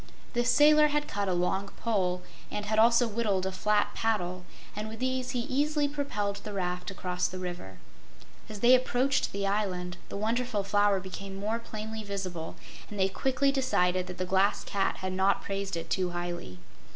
The sailor had cut a long pole, and had also whittled a flat paddle, and with these he easily propelled the raft across the river. As they approached the island, the Wonderful Flower became more plainly visible, and they quickly decided that the Glass Cat had not praised it too highly.